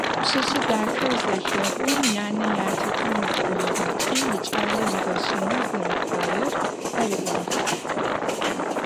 Пшъэшъэ дахэр зелъэгъум янэ ятэхэм заӏуигъакӏи икӏалэ ригъэщэнэу зэрэфаер ариӏуагъ.